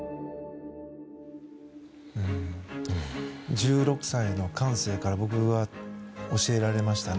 １６歳の感性から僕は教えられましたね。